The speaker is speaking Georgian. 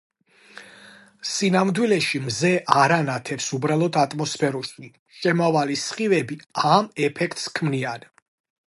სინამდვილეში მზე არ ანათებს უბრალოდ ატმოსფეროში შემავალი სხივები ამ ეფექტს ქმნიან